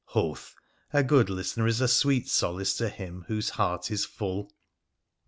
Hoth ! a good listener is a sweet solace to him whose heart is full !